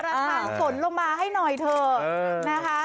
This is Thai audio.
ประหลาดฝนลงมาให้หน่อยเถอะ